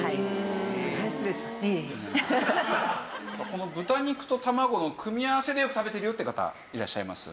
この豚肉と卵の組み合わせでよく食べてるよって方いらっしゃいます？